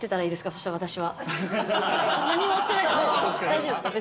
大丈夫ですか？